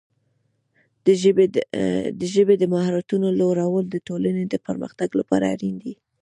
د ژبې د مهارتونو لوړول د ټولنې د پرمختګ لپاره اړین دي.